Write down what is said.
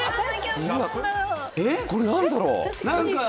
これ何だろう。